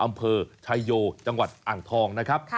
อำเภอชายโยจังหวัดอ่างทองนะครับ